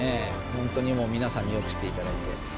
本当にもう、皆さんによくしていただいて。